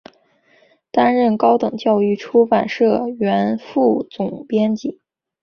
担任高等教育出版社原副总编辑。